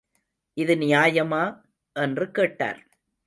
இது நியாயமா? என்று கேட்டார்.